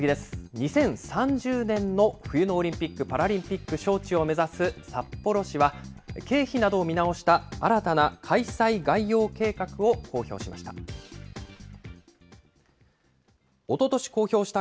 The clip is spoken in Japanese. ２０３０年の冬のオリンピック・パラリンピック招致を目指す札幌市は、経費などを見直した新たな開催概要計画を公表しました。